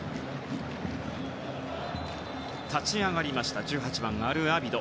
立ち上がりました１８番、アルアビド。